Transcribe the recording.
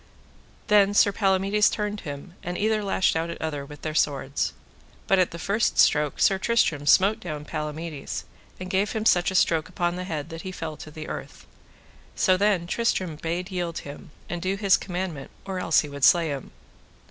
Then Sir Palamides turned him, and either lashed at other with their swords. But at the first stroke Sir Tristram smote down Palamides, and gave him such a stroke upon the head that he fell to the earth. So then Tristram bade yield him, and do his commandment, or else he would slay him.